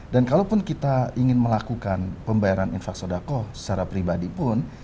dan kalaupun kita ingin melakukan pembayaran infaq sodako secara pribadi pun